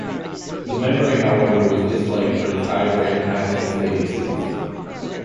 The memory, however, was disliked for its high random access latencies.